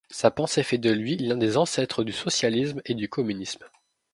Sa pensée fait de lui l'un des ancêtres du socialisme et du communisme.